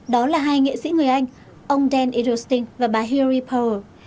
đó là hai nghệ sĩ người anh ông dan edelstein và bà hillary powell